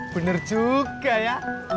bener juga ya